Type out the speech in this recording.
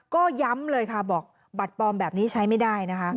ก็ย้ำเลยค่ะบอกบัตรปลอมแบบนี้ใช้ไม่ได้นะคะ